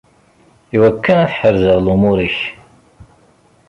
Iwakken ad ḥerzeɣ lumuṛ-ik.